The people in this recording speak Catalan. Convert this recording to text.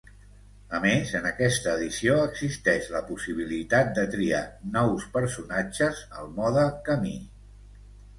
A més, en aquesta edició existeix la possibilitat de triar nous personatges al mode camí.